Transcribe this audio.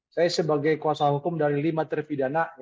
saya sebagai kuasa hukum dari lima terpidana